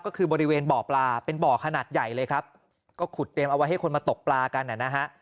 ก็คือบริเวณบ่อปลาเป็นบ่อขนาดใหญ่เลยครับก็ขุดเตรียมเอาไว้ให้คนมาตกปลากันนะฮะ